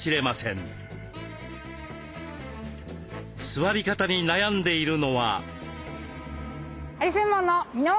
座り方に悩んでいるのは。